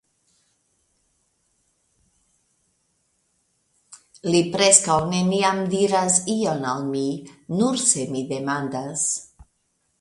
Li preskaŭ neniam diras ion al mi ., nur se mi demandas.